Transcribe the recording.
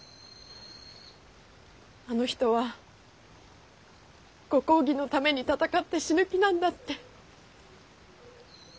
あの人はご公儀のために戦って死ぬ気なんだって。